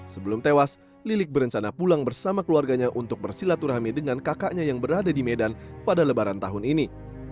sebelum tewas lilik berencana pulang bersama keluarganya untuk bersilaturahmi dengan kakaknya yang berada di medan pada lebaran tahun ini